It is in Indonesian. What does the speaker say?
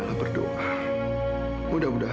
kamu mimpi buruk